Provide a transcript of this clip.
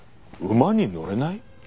馬に乗れない！？